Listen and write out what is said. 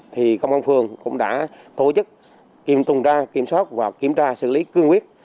thì công an phường cũng đã tổ chức kiểm tuần tra kiểm soát và kiểm tra xử lý cương quyết